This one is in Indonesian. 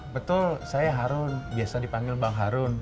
betul saya harun biasa dipanggil bang harun